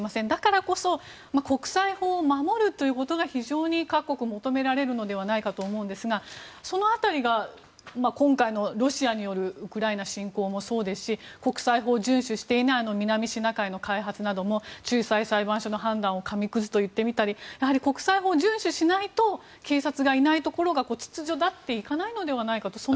だからこそ国際法を守るということが非常に各国求められるのではないかと思うんですが、その辺りが今回のロシアによるウクライナ侵攻もそうですし国際法を順守していない南シナ海の開発なども仲裁裁判所の判断を紙くずと言ってみたり国際法を遵守しないと警察がいないところが秩序立っていかないのではないかと。